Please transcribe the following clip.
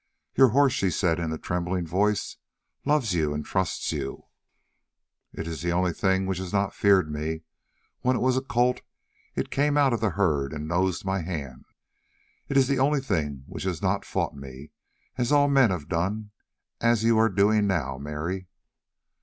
"Your horse," she said in a trembling voice, "loves you and trusts you." "It is the only thing which has not feared me. When it was a colt it came out of the herd and nosed my hand. It is the only thing which has not fought me, as all men have done as you are doing now, Mary."